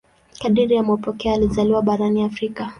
Kadiri ya mapokeo alizaliwa barani Afrika.